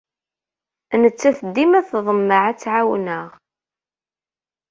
Nettat dima tḍemmeɛ ad tt-ɛawneɣ.